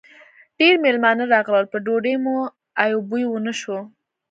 ډېر مېلمانه راغلل؛ په ډوډۍ مو ای و بوی و نه شو.